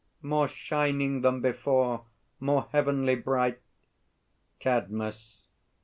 More shining than before, more heavenly bright! CADMUS.